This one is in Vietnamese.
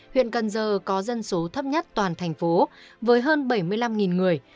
huyện cần giờ có dân số thấp nhất toàn thành phố với hơn bảy mươi năm người